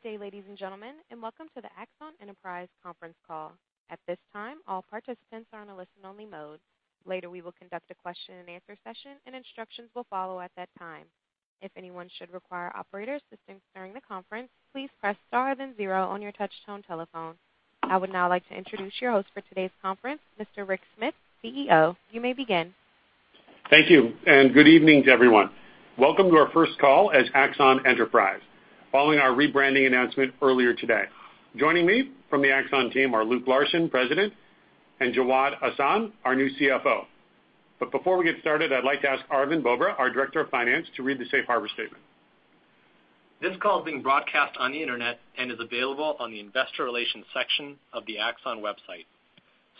Good day, ladies and gentlemen, and welcome to the Axon Enterprise conference call. At this time, all participants are on a listen-only mode. Later, we will conduct a question-and-answer session, and instructions will follow at that time. If anyone should require operator assistance during the conference, please press star then zero on your touch-tone telephone. I would now like to introduce your host for today's conference, Mr. Rick Smith, CEO. You may begin. Thank you, and good evening to everyone. Welcome to our first call as Axon Enterprise, following our rebranding announcement earlier today. Joining me from the Axon team are Luke Larson, President, and Jawad Ahsan, our new CFO. Before we get started, I'd like to ask Arvind Bobra, our Director of Finance, to read the Safe Harbor Statement. This call is being broadcast on the Internet and is available on the Investor Relations section of the Axon website.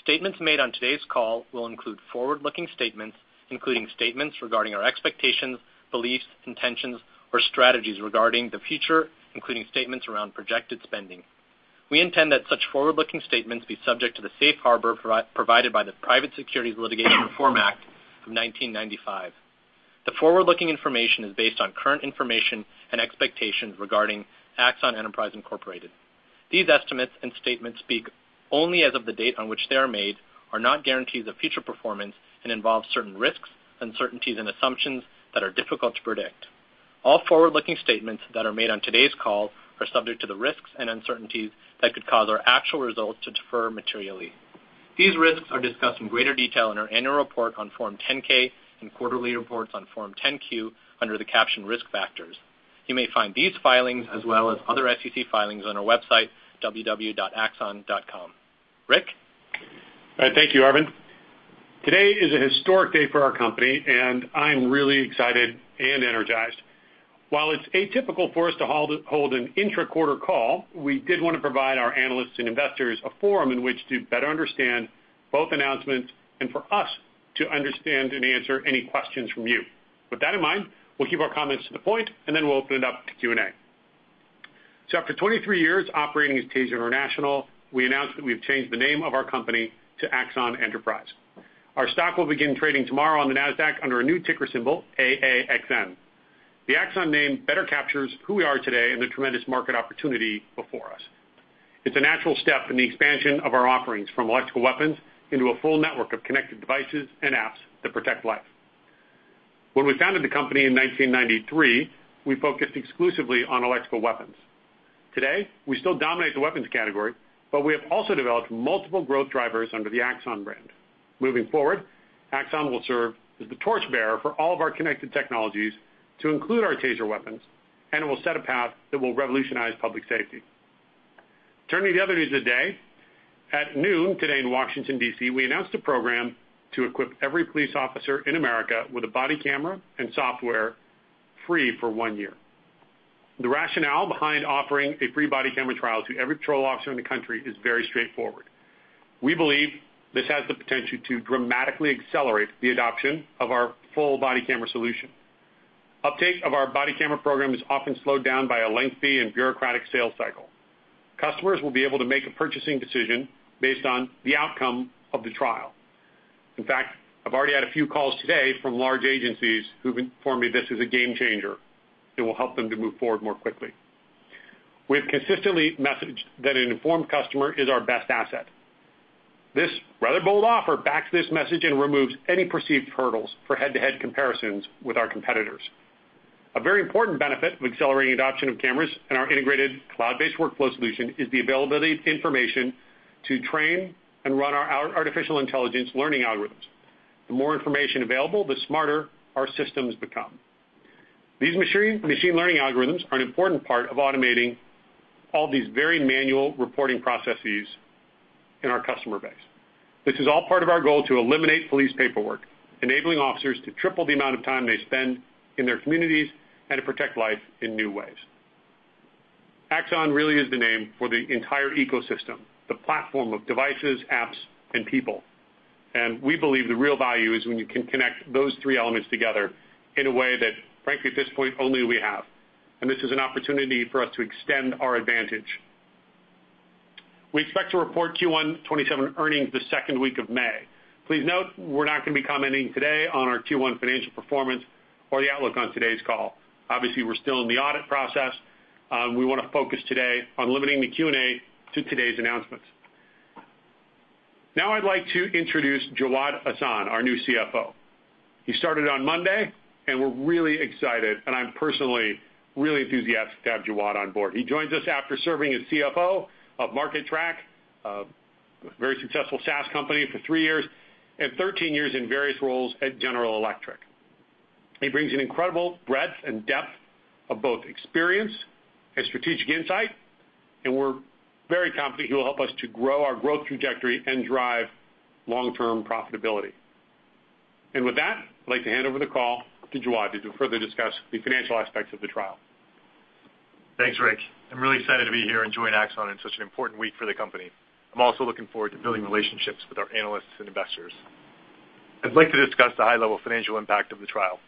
Statements made on today's call will include forward-looking statements, including statements regarding our expectations, beliefs, intentions, or strategies regarding the future, including statements around projected spending. We intend that such forward-looking statements be subject to the Safe Harbor provided by the Private Securities Litigation Reform Act of 1995. The forward-looking information is based on current information and expectations regarding Axon Enterprise, Incorporated. These estimates and statements speak only as of the date on which they are made, are not guarantees of future performance, and involve certain risks, uncertainties, and assumptions that are difficult to predict. All forward-looking statements that are made on today's call are subject to the risks and uncertainties that could cause our actual results to differ materially. These risks are discussed in greater detail in our annual report on Form 10-K and quarterly reports on Form 10-Q under the captioned Risk Factors. You may find these filings, as well as other SEC filings, on our website, www.axon.com. Rick? All right, thank you, Arvind. Today is a historic day for our company, and I'm really excited and energized. While it's atypical for us to hold an intra-quarter call, we did want to provide our analysts and investors a forum in which to better understand both announcements and for us to understand and answer any questions from you. With that in mind, we'll keep our comments to the point, and then we'll open it up to Q&A. So, after 23 years operating as TASER International, we announced that we've changed the name of our company to Axon Enterprise. Our stock will begin trading tomorrow on the NASDAQ under a new ticker symbol, AAXN. The Axon name better captures who we are today and the tremendous market opportunity before us. It's a natural step in the expansion of our offerings from electrical weapons into a full network of connected devices and apps that protect life. When we founded the company in 1993, we focused exclusively on electrical weapons. Today, we still dominate the weapons category, but we have also developed multiple growth drivers under the Axon brand. Moving forward, Axon will serve as the torchbearer for all of our connected technologies, to include our TASER weapons, and it will set a path that will revolutionize public safety. Turning to the other news of the day, at noon today in Washington, D.C., we announced a program to equip every police officer in America with a body camera and software free for one year. The rationale behind offering a free body camera trial to every patrol officer in the country is very straightforward. We believe this has the potential to dramatically accelerate the adoption of our full body camera solution. Uptake of our body camera program is often slowed down by a lengthy and bureaucratic sales cycle. Customers will be able to make a purchasing decision based on the outcome of the trial. In fact, I've already had a few calls today from large agencies who've informed me this is a game-changer and will help them to move forward more quickly. We have consistently messaged that an informed customer is our best asset. This rather bold offer backs this message and removes any perceived hurdles for head-to-head comparisons with our competitors. A very important benefit of accelerating adoption of cameras and our integrated cloud-based workflow solution is the availability of information to train and run our artificial intelligence learning algorithms. The more information available, the smarter our systems become. These machine learning algorithms are an important part of automating all these very manual reporting processes in our customer base. This is all part of our goal to eliminate police paperwork, enabling officers to triple the amount of time they spend in their communities and to protect life in new ways. Axon really is the name for the entire ecosystem, the platform of devices, apps, and people. We believe the real value is when you can connect those three elements together in a way that, frankly, at this point, only we have. This is an opportunity for us to extend our advantage. We expect to report Q1 2017 earnings the second week of May. Please note, we're not going to be commenting today on our Q1 financial performance or the outlook on today's call. Obviously, we're still in the audit process. We want to focus today on limiting the Q&A to today's announcements. Now, I'd like to introduce Jawad Ahsan, our new CFO. He started on Monday, and we're really excited, and I'm personally really enthusiastic to have Jawad on board. He joins us after serving as CFO of Market Track, a very successful SaaS company for 3 years and 13 years in various roles at General Electric. He brings an incredible breadth and depth of both experience and strategic insight, and we're very confident he will help us to grow our growth trajectory and drive long-term profitability. And with that, I'd like to hand over the call to Jawad to further discuss the financial aspects of the trial. Thanks, Rick. I'm really excited to be here and join Axon in such an important week for the company. I'm also looking forward to building relationships with our analysts and investors. I'd like to discuss the high-level financial impact of the trial.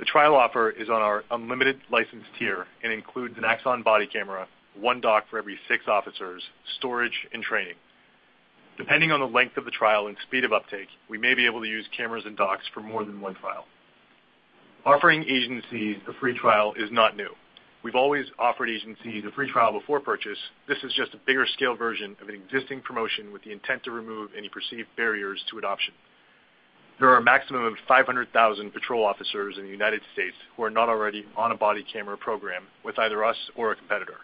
The trial offer is on our Unlimited license tier and includes an Axon Body camera, 1 dock for every 6 officers, storage, and training. Depending on the length of the trial and speed of uptake, we may be able to use cameras and docks for more than one trial. Offering agencies a free trial is not new. We've always offered agencies a free trial before purchase. This is just a bigger scale version of an existing promotion with the intent to remove any perceived barriers to adoption. There are a maximum of 500,000 patrol officers in the United States who are not already on a body camera program with either us or a competitor.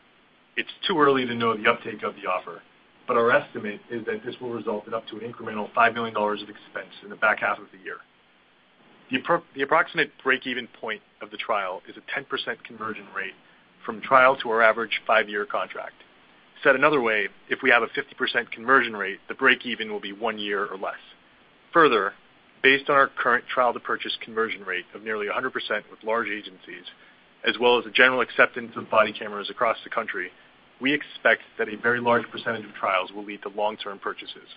It's too early to know the uptake of the offer, but our estimate is that this will result in up to an incremental $5 million of expense in the back half of the year. The approximate break-even point of the trial is a 10% conversion rate from trial to our average five-year contract. Said another way, if we have a 50% conversion rate, the break-even will be one year or less. Further, based on our current trial-to-purchase conversion rate of nearly 100% with large agencies, as well as the general acceptance of body cameras across the country, we expect that a very large percentage of trials will lead to long-term purchases.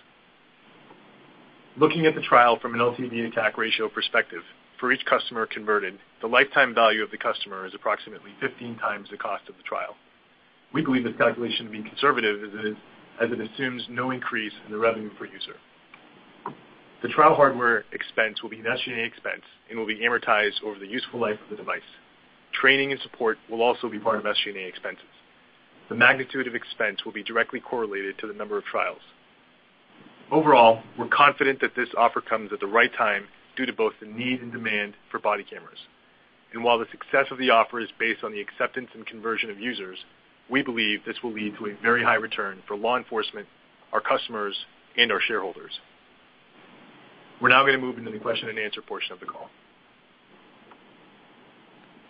Looking at the trial from an LTV-to-CAC ratio perspective, for each customer converted, the lifetime value of the customer is approximately 15x the cost of the trial. We believe this calculation to be conservative as it assumes no increase in the revenue per user. The trial hardware expense will be an SG&A expense and will be amortized over the useful life of the device. Training and support will also be part of SG&A expenses. The magnitude of expense will be directly correlated to the number of trials. Overall, we're confident that this offer comes at the right time due to both the need and demand for body cameras. While the success of the offer is based on the acceptance and conversion of users, we believe this will lead to a very high return for law enforcement, our customers, and our shareholders. We're now going to move into the question-and-answer portion of the call.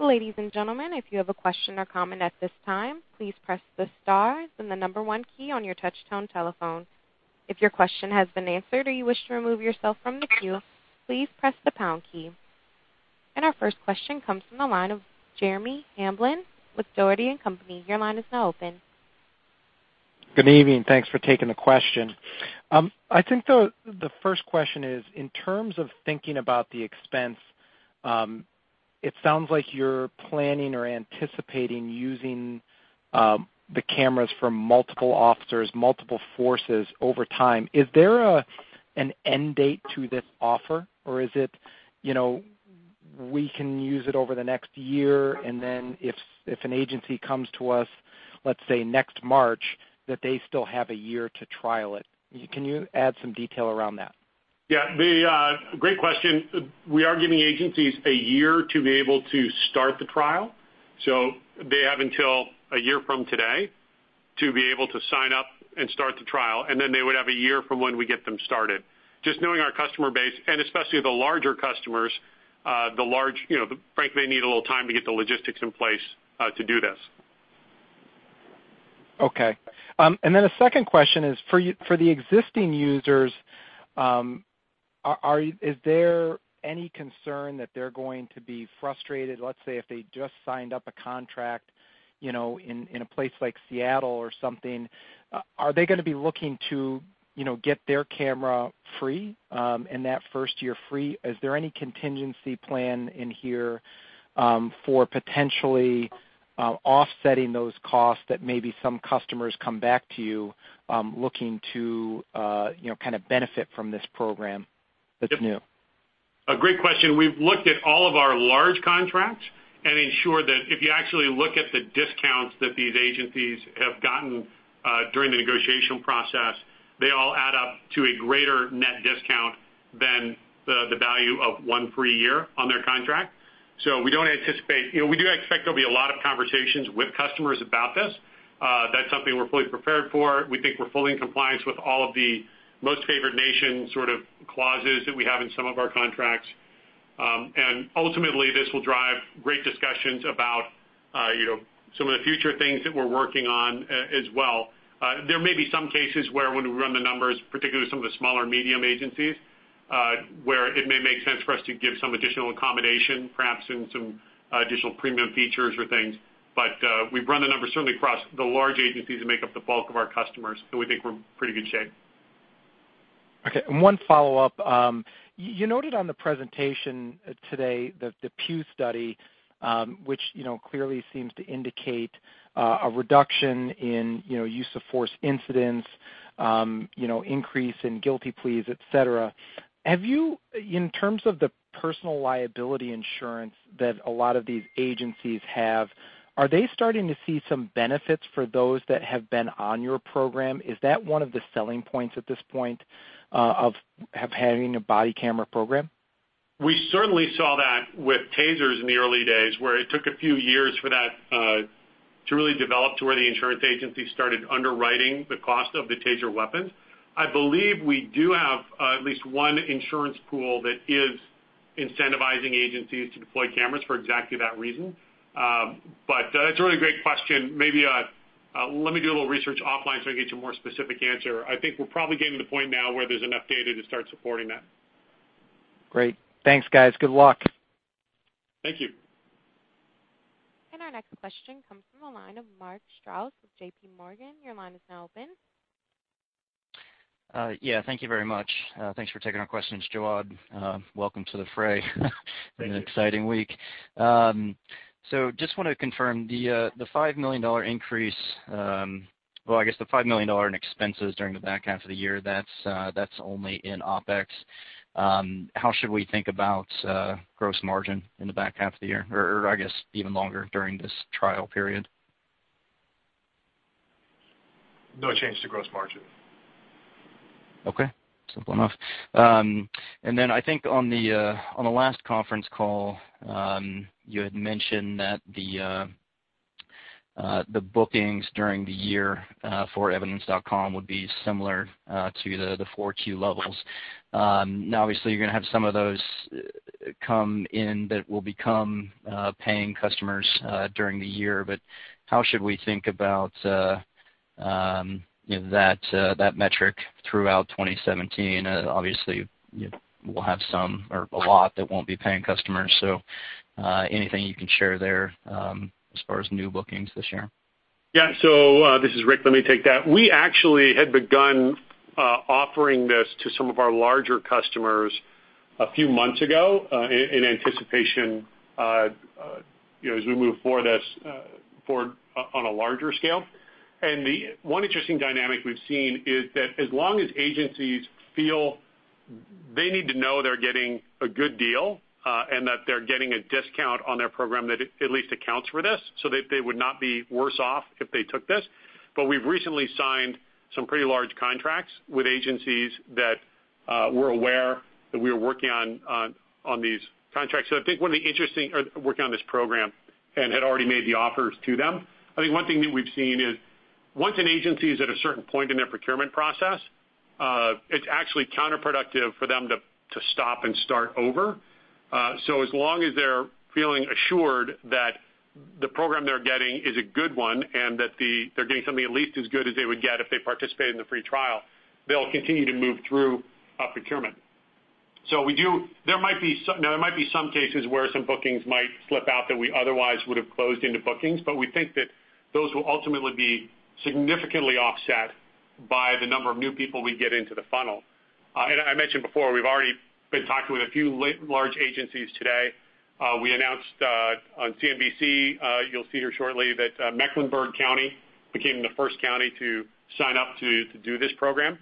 Ladies and gentlemen, if you have a question or comment at this time, please press the star then the number 1 key on your touch-tone telephone. If your question has been answered or you wish to remove yourself from the queue, please press the pound key. Our first question comes from the line of Jeremy Hamblin with Dougherty & Company. Your line is now open. Good evening. Thanks for taking the question. I think the first question is, in terms of thinking about the expense, it sounds like you're planning or anticipating using the cameras for multiple officers, multiple forces over time. Is there an end date to this offer, or is it we can use it over the next year, and then if an agency comes to us, let's say next March, that they still have a year to trial it? Can you add some detail around that? Yeah. Great question. We are giving agencies a year to be able to start the trial. So they have until a year from today to be able to sign up and start the trial, and then they would have a year from when we get them started. Just knowing our customer base, and especially the larger customers, the large, frankly, they need a little time to get the logistics in place to do this. Okay. Then a second question is, for the existing users, is there any concern that they're going to be frustrated, let's say if they just signed up a contract in a place like Seattle or something, are they going to be looking to get their camera free and that first year free? Is there any contingency plan in here for potentially offsetting those costs that maybe some customers come back to you looking to kind of benefit from this program that's new? A great question. We've looked at all of our large contracts and ensured that if you actually look at the discounts that these agencies have gotten during the negotiation process, they all add up to a greater net discount than the value of one free year on their contract. So we don't anticipate we do expect there'll be a lot of conversations with customers about this. That's something we're fully prepared for. We think we're fully in compliance with all of the most favored nation sort of clauses that we have in some of our contracts. And ultimately, this will drive great discussions about some of the future things that we're working on as well. There may be some cases where when we run the numbers, particularly with some of the smaller medium agencies, where it may make sense for us to give some additional accommodation, perhaps in some additional premium features or things. But we've run the numbers certainly across the large agencies that make up the bulk of our customers, and we think we're in pretty good shape. Okay. And one follow-up. You noted on the presentation today that the Pew study, which clearly seems to indicate a reduction in use of force incidents, increase in guilty pleas, et cetera. In terms of the personal liability insurance that a lot of these agencies have, are they starting to see some benefits for those that have been on your program? Is that one of the selling points at this point of having a body camera program? We certainly saw that with TASERs in the early days where it took a few years for that to really develop to where the insurance agencies started underwriting the cost of the TASER weapons. I believe we do have at least one insurance pool that is incentivizing agencies to deploy cameras for exactly that reason. But that's a really great question. Maybe let me do a little research offline so I can get you a more specific answer. I think we're probably getting to the point now where there's enough data to start supporting that. Great. Thanks, guys. Good luck. Thank you. Our next question comes from the line of Mark Strouse with J.P. Morgan. Your line is now open. Yeah. Thank you very much. Thanks for taking our questions, Jawad. Welcome to the fray and an exciting week. So just want to confirm the $5 million increase, well, I guess the $5 million in expenses during the back half of the year, that's only in OPEX. How should we think about gross margin in the back half of the year, or I guess even longer during this trial period? No change to gross margin. Okay. Simple enough. And then I think on the last conference call, you had mentioned that the bookings during the year for Evidence.com would be similar to the 4Q levels. Now, obviously, you're going to have some of those come in that will become paying customers during the year, but how should we think about that metric throughout 2017? Obviously, we'll have some or a lot that won't be paying customers. So anything you can share there as far as new bookings this year? Yeah. So this is Rick. Let me take that. We actually had begun offering this to some of our larger customers a few months ago in anticipation as we move forward on a larger scale. And one interesting dynamic we've seen is that as long as agencies feel they need to know they're getting a good deal and that they're getting a discount on their program that at least accounts for this so that they would not be worse off if they took this. But we've recently signed some pretty large contracts with agencies that were aware that we were working on this program and had already made the offers to them. So I think one of the interesting working on this program and had already made the offers to them. I think one thing that we've seen is once an agency is at a certain point in their procurement process, it's actually counterproductive for them to stop and start over. So as long as they're feeling assured that the program they're getting is a good one and that they're getting something at least as good as they would get if they participate in the free trial, they'll continue to move through procurement. So there might be some cases where some bookings might slip out that we otherwise would have closed into bookings, but we think that those will ultimately be significantly offset by the number of new people we get into the funnel. And I mentioned before, we've already been talking with a few large agencies today. We announced on CNBC, you'll see here shortly, that Mecklenburg County became the first county to sign up to do this program.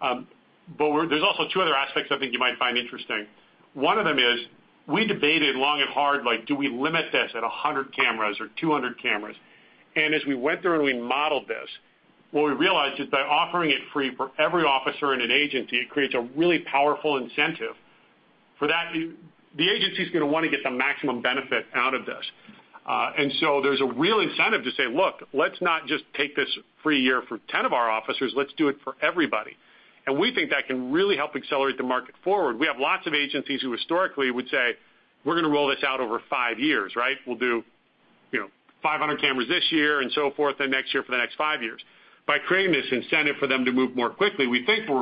But there's also 2 other aspects I think you might find interesting. 1 of them is we debated long and hard, like, do we limit this at 100 cameras or 200 cameras? And as we went through and we modeled this, what we realized is by offering it free for every officer in an agency, it creates a really powerful incentive for that. The agency's going to want to get the maximum benefit out of this. And so there's a real incentive to say, "Look, let's not just take this free year for 10 of our officers. Let's do it for everybody." And we think that can really help accelerate the market forward. We have lots of agencies who historically would say, "We're going to roll this out over 5 years, right? We'll do 500 cameras this year and so forth, and next year for the next five years." By creating this incentive for them to move more quickly, we think we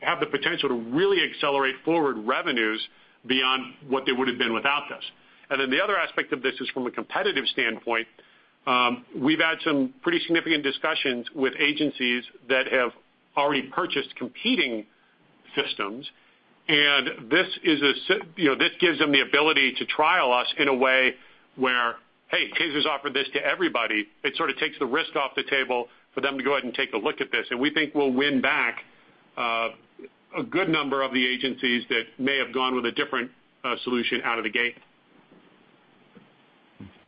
have the potential to really accelerate forward revenues beyond what they would have been without this. Then the other aspect of this is from a competitive standpoint. We've had some pretty significant discussions with agencies that have already purchased competing systems, and this gives them the ability to trial us in a way where, "Hey, TASERs offer this to everybody." It sort of takes the risk off the table for them to go ahead and take a look at this. We think we'll win back a good number of the agencies that may have gone with a different solution out of the gate.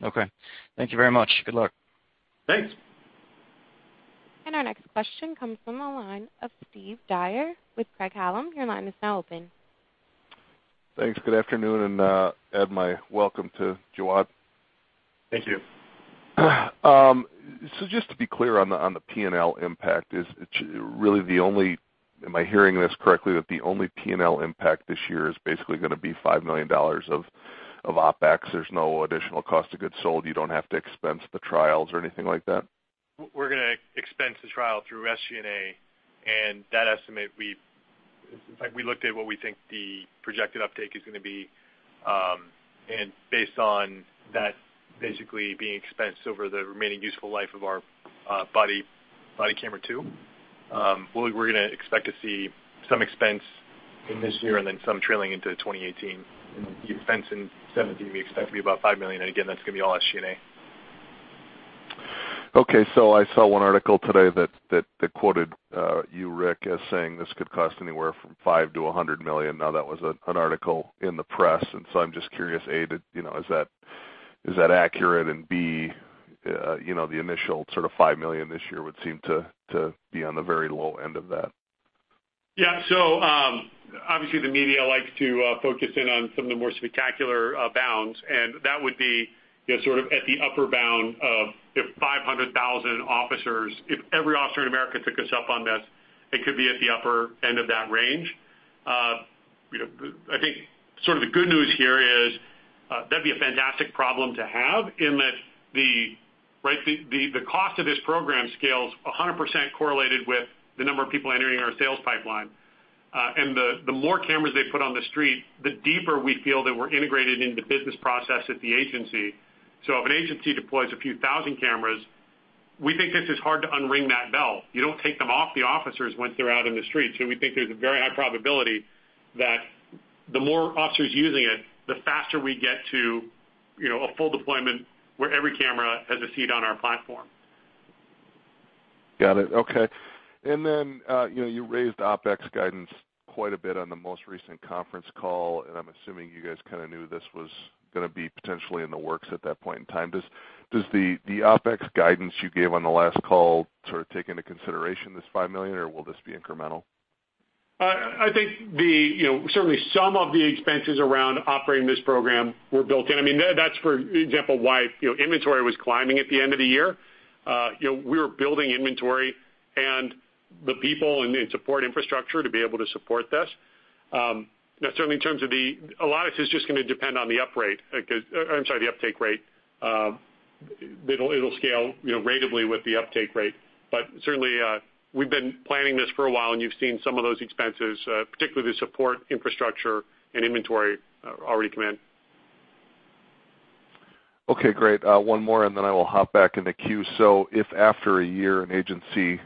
Okay. Thank you very much. Good luck. Thanks. Our next question comes from the line of Steve Dyer with Craig-Hallum. Your line is now open. Thanks. Good afternoon, and I'd like to welcome Jawad. Thank you. So just to be clear on the P&L impact, is it really the only, am I hearing this correctly, that the only P&L impact this year is basically going to be $5 million of OPEX? There's no additional cost of goods sold. You don't have to expense the trials or anything like that? We're going to expense the trial through SG&A, and that estimate, we looked at what we think the projected uptake is going to be. Based on that basically being expensed over the remaining useful life of our body camera too, we're going to expect to see some expense in this year and then some trailing into 2018. The expense in 2017, we expect to be about $5 million. Again, that's going to be all SG&A. Okay. So I saw one article today that quoted you, Rick, as saying this could cost anywhere from $5 million-$100 million. Now, that was an article in the press. So I'm just curious, A, is that accurate? And B, the initial sort of $5 million this year would seem to be on the very low end of that. Yeah. So obviously, the media likes to focus in on some of the more spectacular bounds, and that would be sort of at the upper bound of if 500,000 officers—if every officer in America took us up on this—it could be at the upper end of that range. I think sort of the good news here is that'd be a fantastic problem to have in that the cost of this program scales 100% correlated with the number of people entering our sales pipeline. And the more cameras they put on the street, the deeper we feel that we're integrated into the business process at the agency. So if an agency deploys a few thousand cameras, we think this is hard to unring that bell. You don't take them off the officers once they're out in the street. We think there's a very high probability that the more officers using it, the faster we get to a full deployment where every camera has a seat on our platform. Got it. Okay. And then you raised OPEX guidance quite a bit on the most recent conference call, and I'm assuming you guys kind of knew this was going to be potentially in the works at that point in time. Does the OPEX guidance you gave on the last call sort of take into consideration this $5 million, or will this be incremental? I think certainly some of the expenses around operating this program were built in. I mean, that's, for example, why inventory was climbing at the end of the year. We were building inventory and the people and support infrastructure to be able to support this. Now, certainly in terms of a lot of this is just going to depend on the uptake rate. It'll scale ratably with the uptake rate. But certainly, we've been planning this for a while, and you've seen some of those expenses, particularly the support infrastructure and inventory, already come in. Okay. Great. One more, and then I will hop back in the queue. So if after a year an agency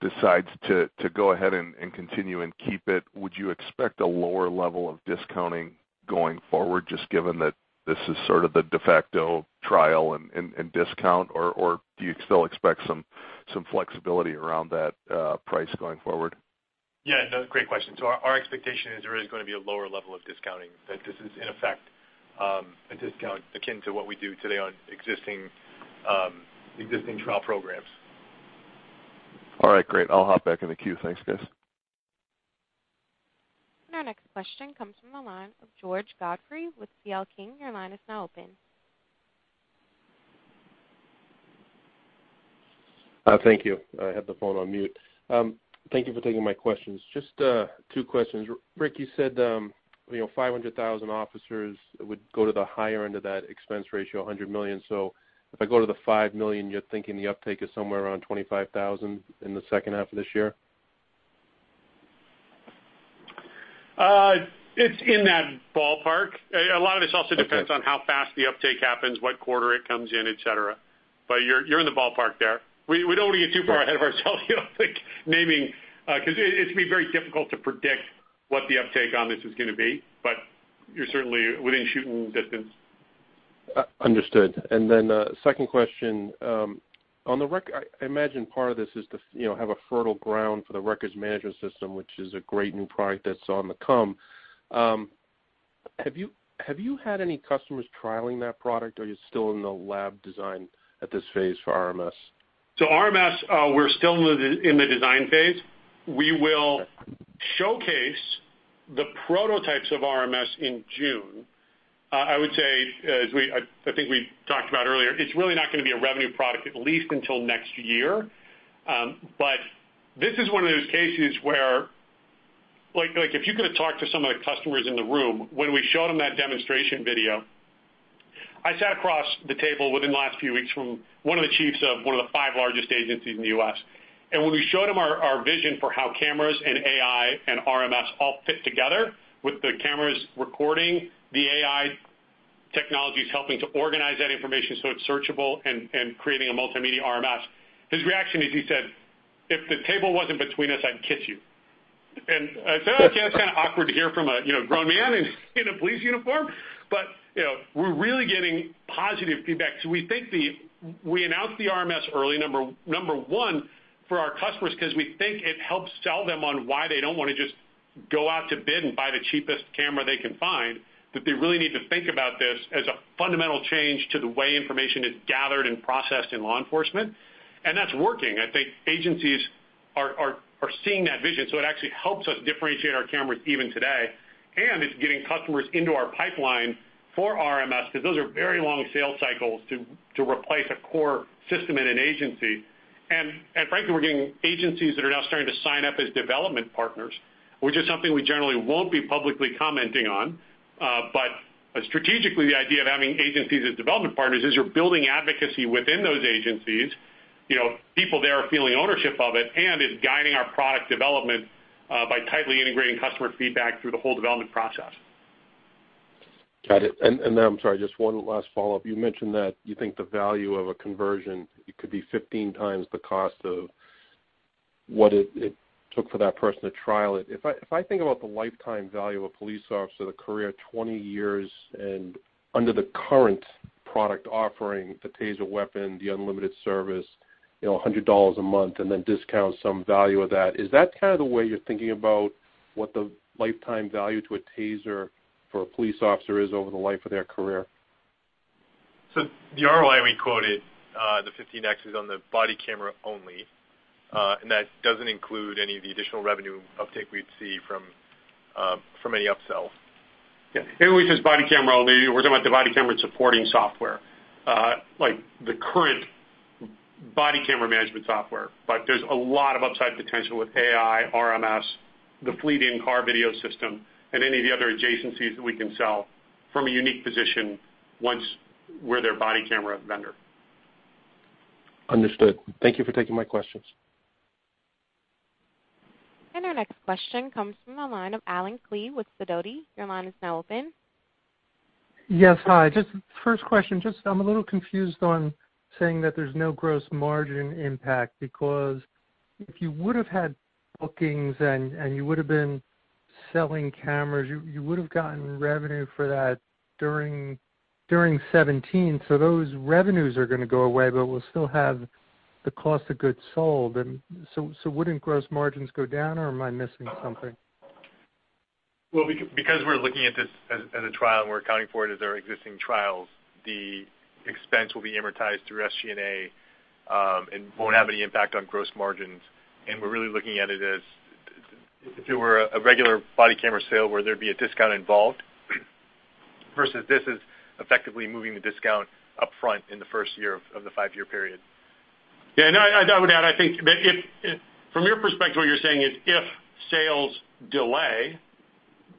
decides to go ahead and continue and keep it, would you expect a lower level of discounting going forward, just given that this is sort of the de facto trial and discount, or do you still expect some flexibility around that price going forward? Yeah. No, great question. Our expectation is there is going to be a lower level of discounting, that this is in effect a discount akin to what we do today on existing trial programs. All right. Great. I'll hop back in the queue. Thanks, guys. Our next question comes from the line of George Godfrey with C.L. King. Your line is now open. Thank you. I had the phone on mute. Thank you for taking my questions. Just two questions. Rick, you said 500,000 officers would go to the higher end of that expense ratio, $100 million. So if I go to the $5 million, you're thinking the uptake is somewhere around $25,000 in the second half of this year? It's in that ballpark. A lot of this also depends on how fast the uptake happens, what quarter it comes in, et cetera. But you're in the ballpark there. We don't want to get too far ahead of ourselves, naming, because it's going to be very difficult to predict what the uptake on this is going to be, but you're certainly within shooting distance. Understood. And then second question. I imagine part of this is to have a fertile ground for the Records Management System, which is a great new product that's on the come. Have you had any customers trialing that product, or are you still in the lab design at this phase for RMS? So RMS, we're still in the design phase. We will showcase the prototypes of RMS in June. I would say, as I think we talked about earlier, it's really not going to be a revenue product, at least until next year. But this is one of those cases where if you could have talked to some of the customers in the room when we showed them that demonstration video, I sat across the table within the last few weeks from one of the chiefs of one of the five largest agencies in the U.S. And when we showed him our vision for how cameras and AI and RMS all fit together with the cameras recording, the AI technologies helping to organize that information so it's searchable and creating a multimedia RMS, his reaction is he said, "If the table wasn't between us, I'd kiss you." And I said, "Okay. That's kind of awkward to hear from a grown man in a police uniform." But we're really getting positive feedback. So we announced the RMS early, number one, for our customers because we think it helps sell them on why they don't want to just go out to bid and buy the cheapest camera they can find, that they really need to think about this as a fundamental change to the way information is gathered and processed in law enforcement. And that's working. I think agencies are seeing that vision. So it actually helps us differentiate our cameras even today. And it's getting customers into our pipeline for RMS because those are very long sales cycles to replace a core system in an agency. And frankly, we're getting agencies that are now starting to sign up as development partners, which is something we generally won't be publicly commenting on. But strategically, the idea of having agencies as development partners is you're building advocacy within those agencies. People there are feeling ownership of it and is guiding our product development by tightly integrating customer feedback through the whole development process. Got it. And then I'm sorry, just one last follow-up. You mentioned that you think the value of a conversion could be 15 times the cost of what it took for that person to trial it. If I think about the lifetime value of a police officer, the career of 20 years, and under the current product offering, the TASER weapon, the Unlimited service, $100 a month, and then discount some value of that, is that kind of the way you're thinking about what the lifetime value to a TASER for a police officer is over the life of their career? So the ROI we quoted, the 15x, is on the body camera only, and that doesn't include any of the additional revenue uptake we'd see from any upsell. Yeah. And when we say body camera only, we're talking about the body camera supporting software, like the current body camera management software. But there's a lot of upside potential with AI, RMS, the fleet in-car video system, and any of the other adjacencies that we can sell from a unique position once we're their body camera vendor. Understood. Thank you for taking my questions. Our next question comes from the line of Allen Klee with Sidoti. Your line is now open. Yes. Hi. Just first question. I'm a little confused on saying that there's no gross margin impact because if you would have had bookings and you would have been selling cameras, you would have gotten revenue for that during 2017. So those revenues are going to go away, but we'll still have the cost of goods sold. So wouldn't gross margins go down, or am I missing something? Well, because we're looking at this as a trial and we're accounting for it as our existing trials, the expense will be amortized through SG&A and won't have any impact on gross margins. And we're really looking at it as if it were a regular body camera sale where there'd be a discount involved versus this is effectively moving the discount upfront in the first year of the five-year period. Yeah. And I would add, I think from your perspective, what you're saying is if sales delay,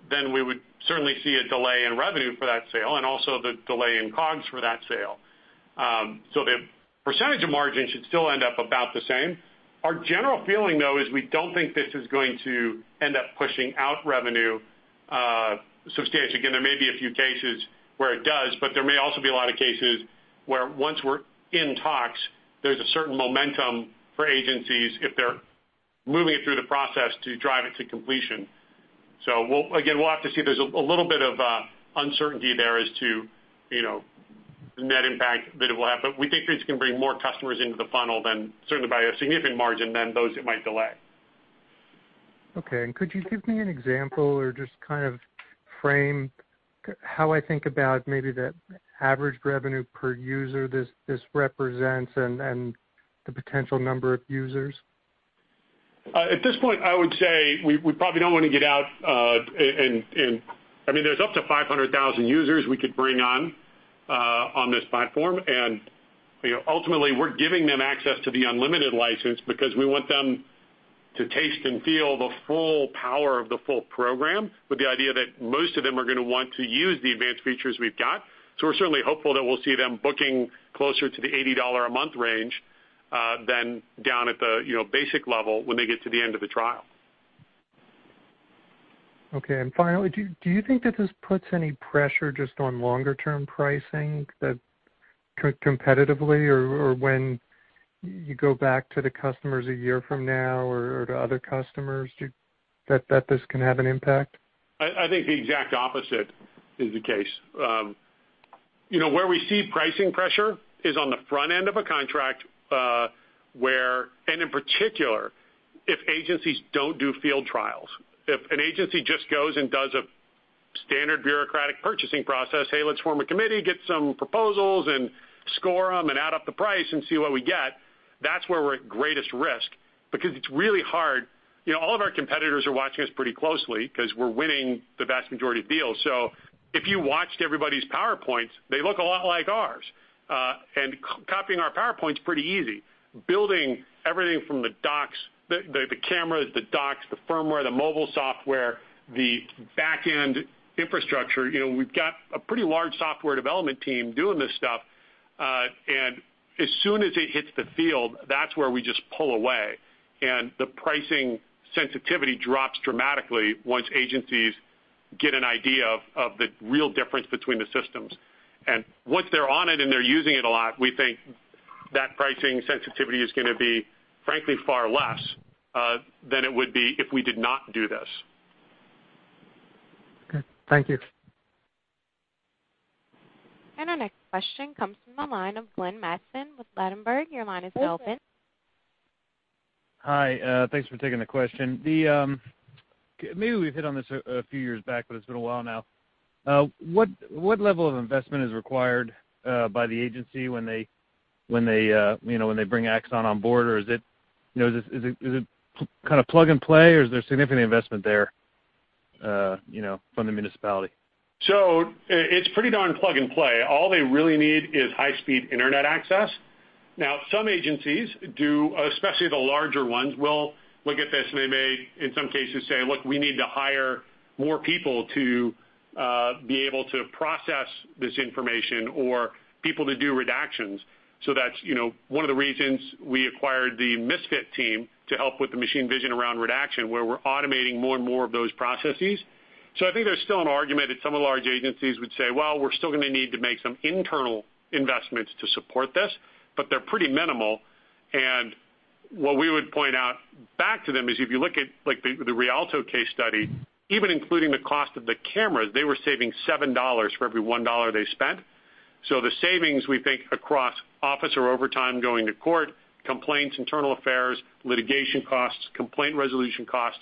then we would certainly see a delay in revenue for that sale and also the delay in COGS for that sale. So the percentage of margin should still end up about the same. Our general feeling, though, is we don't think this is going to end up pushing out revenue substantially. Again, there may be a few cases where it does, but there may also be a lot of cases where once we're in talks, there's a certain momentum for agencies if they're moving it through the process to drive it to completion. So again, we'll have to see. There's a little bit of uncertainty there as to the net impact that it will have. But we think it's going to bring more customers into the funnel by a significant margin than those that might delay. Okay. Could you give me an example or just kind of frame how I think about maybe the average revenue per user this represents and the potential number of users? At this point, I would say we probably don't want to get out. I mean, there's up to 500,000 users we could bring on this platform. And ultimately, we're giving them access to the Unlimited license because we want them to taste and feel the full power of the full program with the idea that most of them are going to want to use the advanced features we've got. So we're certainly hopeful that we'll see them booking closer to the $80 a month range than down at the basic level when they get to the end of the trial. Okay. And finally, do you think that this puts any pressure just on longer-term pricing competitively or when you go back to the customers a year from now or to other customers that this can have an impact? I think the exact opposite is the case. Where we see pricing pressure is on the front end of a contract where, and in particular, if agencies don't do field trials. If an agency just goes and does a standard bureaucratic purchasing process, "Hey, let's form a committee, get some proposals, and score them, and add up the price, and see what we get," that's where we're at greatest risk because it's really hard. All of our competitors are watching us pretty closely because we're winning the vast majority of deals. So if you watched everybody's PowerPoints, they look a lot like ours. And copying our PowerPoints is pretty easy. Building everything from the cameras, the docs, the firmware, the mobile software, the backend infrastructure, we've got a pretty large software development team doing this stuff. And as soon as it hits the field, that's where we just pull away. The pricing sensitivity drops dramatically once agencies get an idea of the real difference between the systems. And once they're on it and they're using it a lot, we think that pricing sensitivity is going to be, frankly, far less than it would be if we did not do this. Okay. Thank you. Our next question comes from the line of Glenn Mattson with Ladenburg Thalmann. Your line is now open. Hi. Thanks for taking the question. Maybe we've hit on this a few years back, but it's been a while now. What level of investment is required by the agency when they bring Axon on board, or is it kind of plug and play, or is there significant investment there from the municipality? So it's pretty darn plug and play. All they really need is high-speed internet access. Now, some agencies, especially the larger ones, will look at this, and they may, in some cases, say, "Look, we need to hire more people to be able to process this information or people to do redactions." So that's one of the reasons we acquired the Misfit team to help with the machine vision around redaction, where we're automating more and more of those processes. So I think there's still an argument that some of the large agencies would say, "Well, we're still going to need to make some internal investments to support this," but they're pretty minimal. And what we would point out back to them is if you look at the Rialto case study, even including the cost of the cameras, they were saving $7 for every $1 they spent. So the savings, we think, across office or overtime going to court, complaints, internal affairs, litigation costs, complaint resolution costs.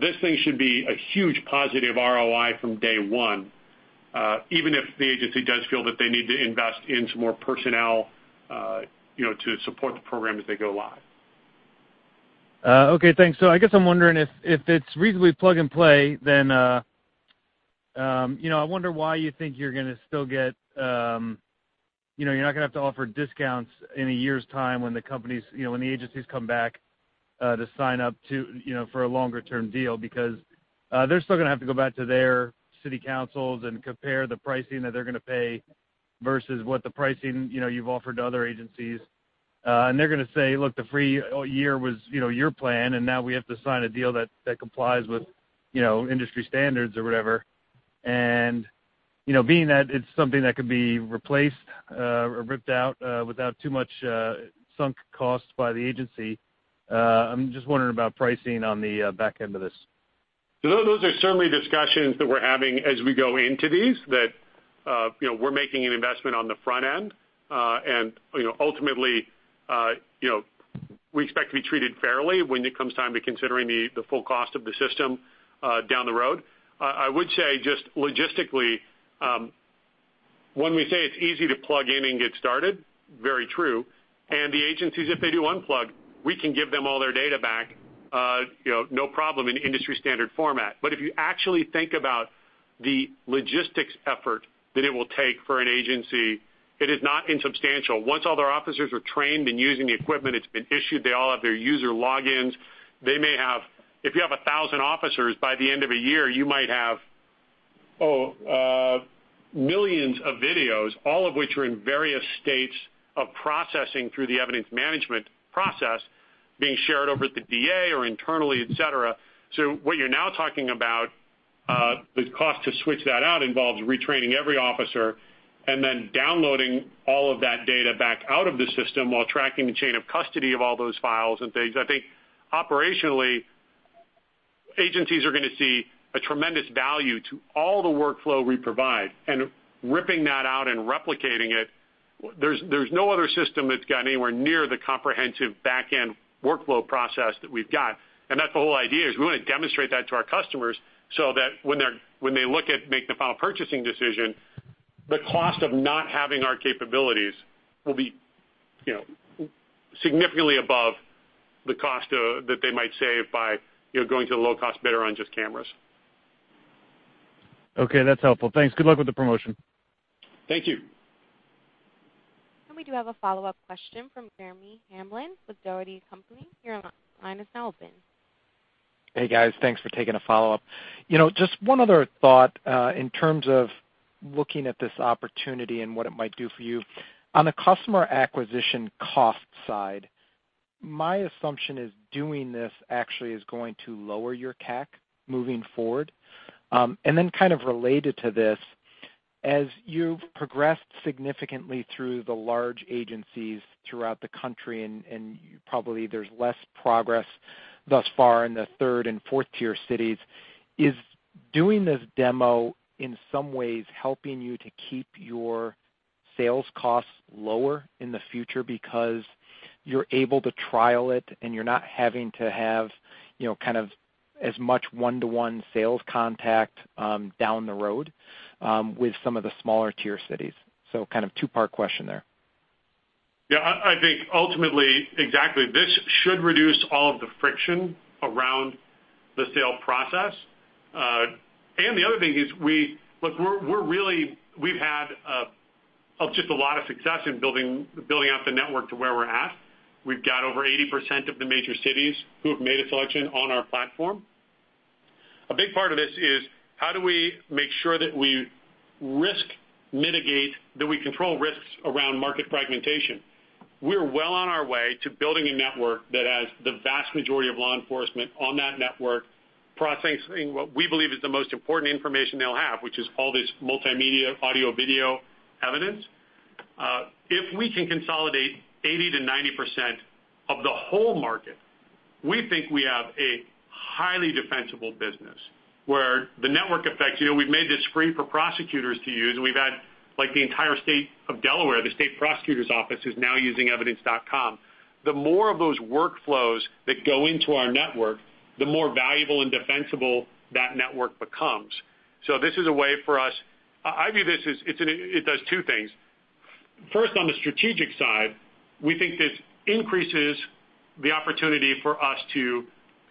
This thing should be a huge positive ROI from day one, even if the agency does feel that they need to invest in some more personnel to support the program as they go live. Okay. Thanks. So I guess I'm wondering if it's reasonably plug and play, then I wonder why you think you're going to still get you're not going to have to offer discounts in a year's time when the companies, when the agencies come back to sign up for a longer-term deal because they're still going to have to go back to their city councils and compare the pricing that they're going to pay versus what the pricing you've offered to other agencies. And they're going to say, "Look, the free year was your plan, and now we have to sign a deal that complies with industry standards or whatever." And being that it's something that could be replaced or ripped out without too much sunk cost by the agency, I'm just wondering about pricing on the back end of this. So those are certainly discussions that we're having as we go into these that we're making an investment on the front end. Ultimately, we expect to be treated fairly when it comes time to considering the full cost of the system down the road. I would say just logistically, when we say it's easy to plug in and get started, very true. The agencies, if they do unplug, we can give them all their data back, no problem, in industry-standard format. But if you actually think about the logistics effort that it will take for an agency, it is not insubstantial. Once all their officers are trained and using the equipment, it's been issued, they all have their user logins, they may have if you have 1,000 officers, by the end of a year, you might have, oh, millions of videos, all of which are in various states of processing through the evidence management process being shared over at the DA or internally, etc. So what you're now talking about, the cost to switch that out involves retraining every officer and then downloading all of that data back out of the system while tracking the chain of custody of all those files and things. I think operationally, agencies are going to see a tremendous value to all the workflow we provide. And ripping that out and replicating it, there's no other system that's got anywhere near the comprehensive backend workflow process that we've got. That's the whole idea is we want to demonstrate that to our customers so that when they look at making the final purchasing decision, the cost of not having our capabilities will be significantly above the cost that they might save by going to the low-cost bidder on just cameras. Okay. That's helpful. Thanks. Good luck with the promotion. Thank you. We do have a follow-up question from Jeremy Hamblin with Dougherty & Company. Your line is now open. Hey, guys. Thanks for taking a follow-up. Just one other thought in terms of looking at this opportunity and what it might do for you. On the customer acquisition cost side, my assumption is doing this actually is going to lower your CAC moving forward. And then kind of related to this, as you've progressed significantly through the large agencies throughout the country and probably there's less progress thus far in the third and fourth-tier cities, is doing this demo in some ways helping you to keep your sales costs lower in the future because you're able to trial it and you're not having to have kind of as much one-to-one sales contact down the road with some of the smaller-tier cities? So kind of two-part question there. Yeah. I think ultimately, exactly. This should reduce all of the friction around the sale process. The other thing is, look, we've had just a lot of success in building out the network to where we're at. We've got over 80% of the major cities who have made a selection on our platform. A big part of this is how do we make sure that we risk mitigate, that we control risks around market fragmentation. We're well on our way to building a network that has the vast majority of law enforcement on that network processing what we believe is the most important information they'll have, which is all this multimedia, audio, video evidence. If we can consolidate 80%-90% of the whole market, we think we have a highly defensible business where the network effect, we've made this free for prosecutors to use, and we've had the entire state of Delaware, the state prosecutor's office is now using Evidence.com. The more of those workflows that go into our network, the more valuable and defensible that network becomes. So this is a way for us. I view this as it does two things. First, on the strategic side, we think this increases the opportunity for us to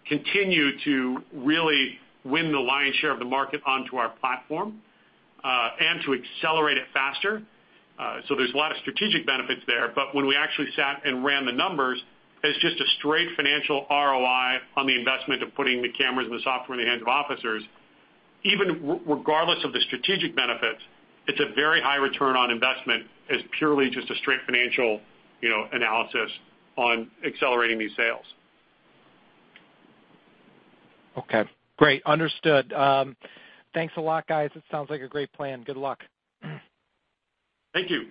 continue to really win the lion's share of the market onto our platform and to accelerate it faster. So there's a lot of strategic benefits there. But when we actually sat and ran the numbers, it's just a straight financial ROI on the investment of putting the cameras and the software in the hands of officers. Even regardless of the strategic benefits, it's a very high return on investment as purely just a straight financial analysis on accelerating these sales. Okay. Great. Understood. Thanks a lot, guys. It sounds like a great plan. Good luck. Thank you.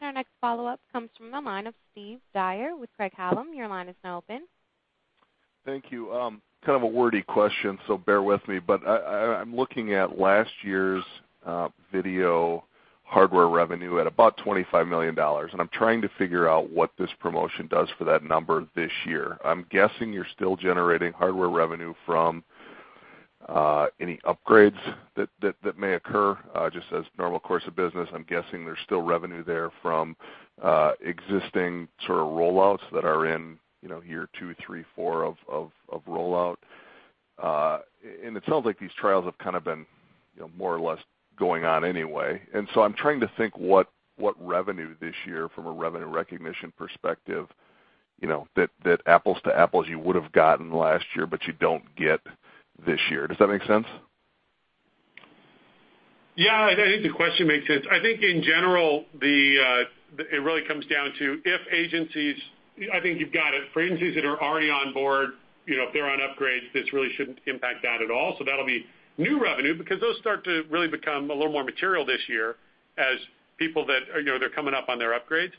Our next follow-up comes from the line of Steve Dyer with Craig-Hallum. Your line is now open. Thank you. Kind of a wordy question, so bear with me. But I'm looking at last year's video hardware revenue at about $25 million. And I'm trying to figure out what this promotion does for that number this year. I'm guessing you're still generating hardware revenue from any upgrades that may occur just as normal course of business. I'm guessing there's still revenue there from existing sort of rollouts that are in year two, three, four of rollout. And it sounds like these trials have kind of been more or less going on anyway. And so I'm trying to think what revenue this year from a revenue recognition perspective that apples to apples you would have gotten last year, but you don't get this year. Does that make sense? Yeah. I think the question makes sense. I think in general, it really comes down to if agencies, I think you've got it. For agencies that are already on board, if they're on upgrades, this really shouldn't impact that at all. So that'll be new revenue because those start to really become a little more material this year as people that are coming up on their upgrades.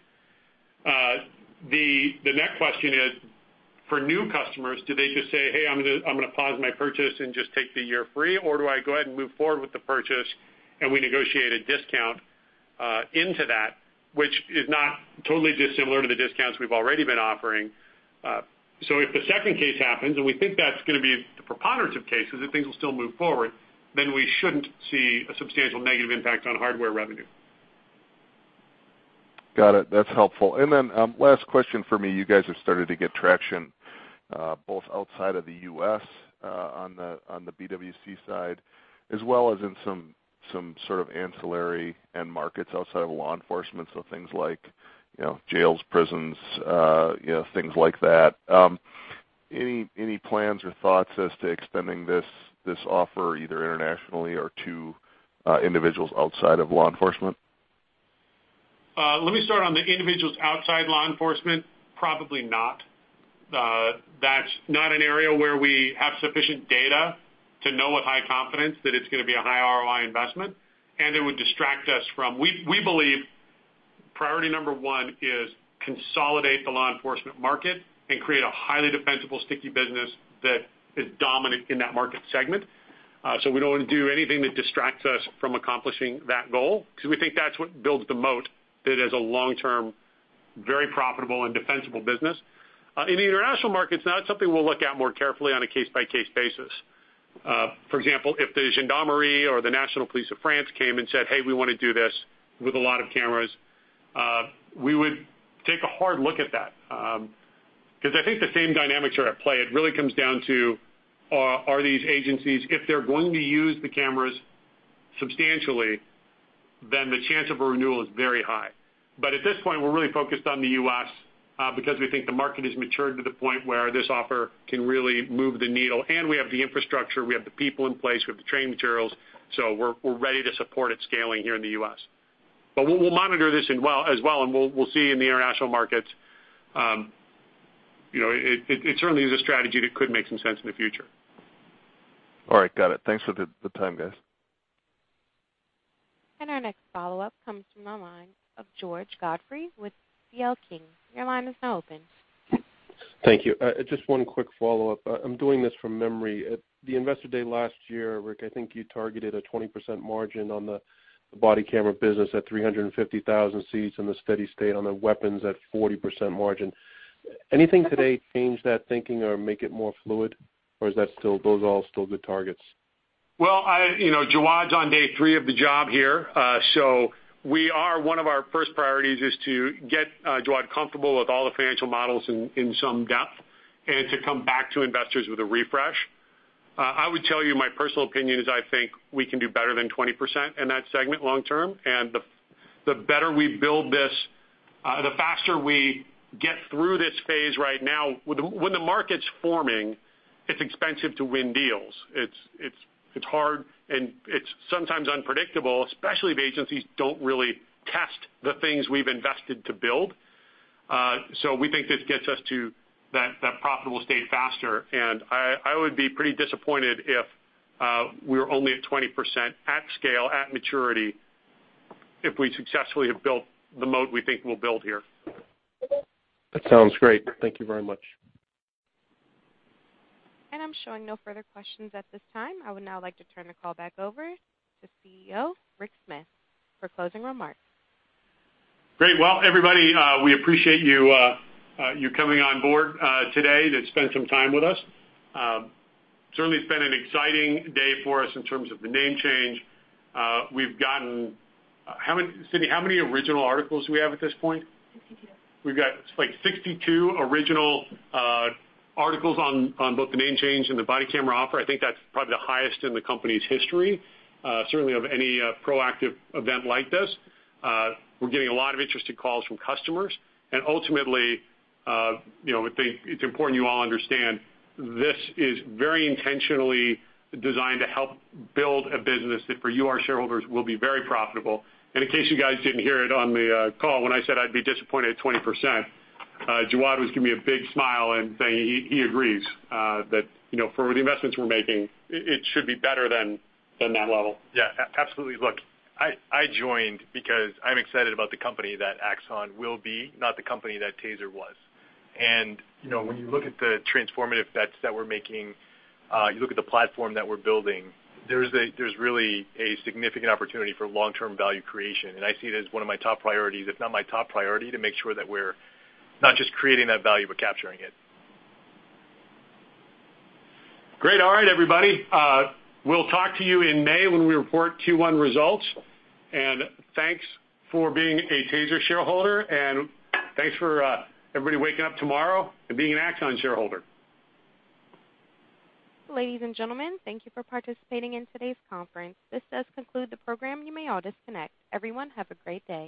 The next question is, for new customers, do they just say, "Hey, I'm going to pause my purchase and just take the year free," or do I go ahead and move forward with the purchase and we negotiate a discount into that, which is not totally dissimilar to the discounts we've already been offering? If the second case happens, and we think that's going to be the preponderance of cases, that things will still move forward, then we shouldn't see a substantial negative impact on hardware revenue. Got it. That's helpful. And then last question for me. You guys have started to get traction both outside of the U.S. on the BWC side as well as in some sort of ancillary end markets outside of law enforcement. So things like jails, prisons, things like that. Any plans or thoughts as to extending this offer either internationally or to individuals outside of law enforcement? Let me start on the individuals outside law enforcement. Probably not. That's not an area where we have sufficient data to know with high confidence that it's going to be a high ROI investment, and it would distract us from we believe priority number one is consolidate the law enforcement market and create a highly defensible, sticky business that is dominant in that market segment. So we don't want to do anything that distracts us from accomplishing that goal because we think that's what builds the moat that is a long-term, very profitable and defensible business. In the international markets, now that's something we'll look at more carefully on a case-by-case basis. For example, if the Gendarmerie or the National Police of France came and said, "Hey, we want to do this with a lot of cameras," we would take a hard look at that because I think the same dynamics are at play. It really comes down to, are these agencies, if they're going to use the cameras substantially, then the chance of a renewal is very high. But at this point, we're really focused on the U.S. because we think the market has matured to the point where this offer can really move the needle. And we have the infrastructure. We have the people in place. We have the training materials. So we're ready to support it scaling here in the U.S. But we'll monitor this as well, and we'll see in the international markets. It certainly is a strategy that could make some sense in the future. All right. Got it. Thanks for the time, guys. Our next follow-up comes from the line of George Godfrey with C.L. King. Your line is now open. Thank you. Just one quick follow-up. I'm doing this from memory. At the Investor Day last year, Rick, I think you targeted a 20% margin on the body camera business at 350,000 seats in the steady state on the weapons at 40% margin. Anything today change that thinking or make it more fluid, or is that still those all still good targets? Well, Jawad's on day 3 of the job here. So we are one of our first priorities is to get Jawad comfortable with all the financial models in some depth and to come back to investors with a refresh. I would tell you my personal opinion is I think we can do better than 20% in that segment long-term. And the better we build this, the faster we get through this phase right now. When the market's forming, it's expensive to win deals. It's hard, and it's sometimes unpredictable, especially if agencies don't really test the things we've invested to build. So we think this gets us to that profitable state faster. And I would be pretty disappointed if we were only at 20% at scale, at maturity, if we successfully have built the moat we think we'll build here. That sounds great. Thank you very much. I'm showing no further questions at this time. I would now like to turn the call back over to CEO Rick Smith for closing remarks. Great. Well, everybody, we appreciate you coming on board today to spend some time with us. Certainly, it's been an exciting day for us in terms of the name change. We've gotten how many original articles do we have at this point? We've got like 62 original articles on both the name change and the body camera offer. I think that's probably the highest in the company's history, certainly of any proactive event like this. We're getting a lot of interesting calls from customers. Ultimately, I think it's important you all understand this is very intentionally designed to help build a business that for you, our shareholders, will be very profitable. And in case you guys didn't hear it on the call, when I said I'd be disappointed at 20%, Jawad was giving me a big smile and saying he agrees that for the investments we're making, it should be better than that level. Yeah. Absolutely. Look, I joined because I'm excited about the company that Axon will be, not the company that Taser was. And when you look at the transformative bets that we're making, you look at the platform that we're building, there's really a significant opportunity for long-term value creation. And I see it as one of my top priorities, if not my top priority, to make sure that we're not just creating that value, but capturing it. Great. All right, everybody. We'll talk to you in May when we report Q1 results. Thanks for being a TASER shareholder, and thanks for everybody waking up tomorrow and being an Axon shareholder. Ladies and gentlemen, thank you for participating in today's conference. This does conclude the program. You may all disconnect. Everyone, have a great day.